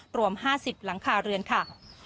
ตรวมห้าสิบหลังคาเรือนค่ะ